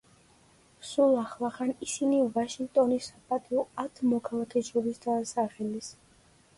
სულ ახლახან, ისინი ვაშინგტონის საპატიო ათ მოქალაქეს შორის დაასახელეს.